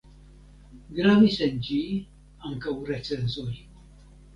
Gravis en ĝi ankaŭ recenzoj.